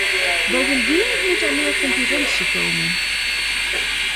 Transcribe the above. Bovendien moet er meer concurrentie komen.